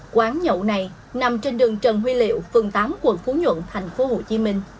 quán nhậu này nằm trên đường trần huy liệu phường tám quận phú nhuận tp hcm